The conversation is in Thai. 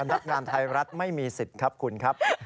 นักงานไทยรัฐไม่มีสิทธิ์ครับคุณครับ